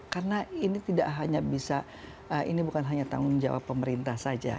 karena ini tidak hanya bisa ini bukan hanya tanggung jawab pemerintah saja